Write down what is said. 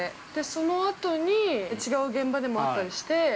そのあとに違う現場でも会ったりして。